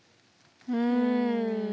うん。